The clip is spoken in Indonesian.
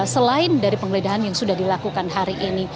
selain dari penggeledahan yang sudah dilakukan hari ini